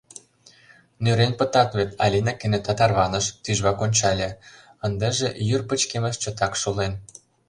Нӧрен пытат вет, — Алина кенета тарваныш, тӱжвак ончале: ындыже йӱр пычкемыш чотак шулен.